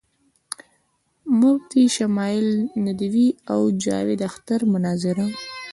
مفتی شمائل ندوي او جاوید اختر مناظره